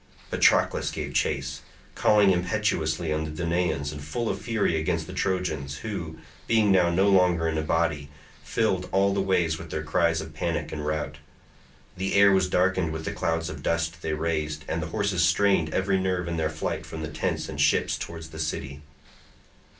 Patroclus gave chase, calling impetuously on the Danaans and full of fury against the Trojans, who, being now no longer in a body, filled all the ways with their cries of panic and rout; the air was darkened with the clouds of dust they raised, and the horses strained every nerve in their flight from the tents and ships towards the city.